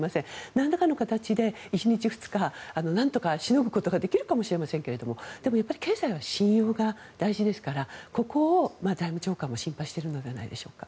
なんらかの形で１日、２日なんとかしのぐことができるかもしれませんけどでも経済は信用が大事ですからここを財務長官も心配しているのではないでしょうか。